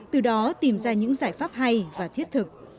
từ đó tìm ra những giải pháp hay và thiết thực